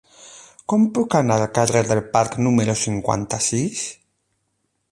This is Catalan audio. Com puc anar al carrer del Parc número cinquanta-sis?